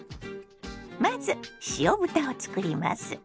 まず塩豚を作ります。